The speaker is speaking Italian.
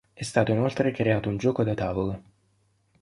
È stato inoltre creato un gioco da tavolo.